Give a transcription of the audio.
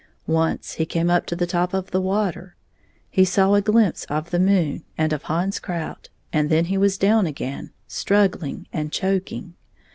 Once he came up to the top of the water. He saw a glimpse of the moon, and of Hans Krout, and then he was down again — struggling and choking.